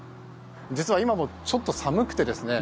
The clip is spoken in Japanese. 実は今もちょっと寒くてですね